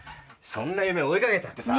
そんな夢追いかけたってさ。